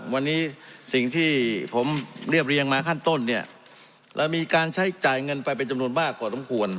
วันนี้สิ่งที่ผมเรียบเรียงมาขั้นต้นเนี่ยเรามีการใช้จ่ายเงินไปเป็นจำนวนมากกว่าสมควร